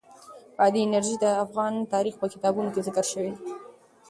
بادي انرژي د افغان تاریخ په کتابونو کې ذکر شوی دي.